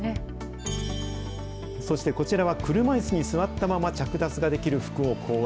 そして、こちらは車いすに座ったまま着脱ができる服を考案。